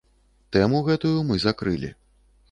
Тэму гэтую мы закрылі.